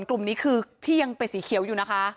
กลุ่มนี้คือที่ยังเป็นสีเขียวอยู่นะคะ